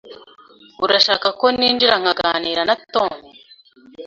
Urashaka ko ninjira nkaganira na Tom?